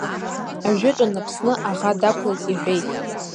Ажәытәан Аԥсны аӷа дақәлеит, иҳәеит.